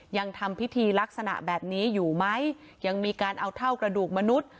ยังทำพิธีลักษณะแบบนี้อยู่ไหมยังมีการเอาเท่ากระดูกมนุษย์